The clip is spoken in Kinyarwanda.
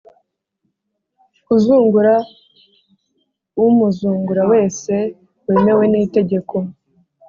Kuzungura Umuzungura Wese Wemewe N Itegeko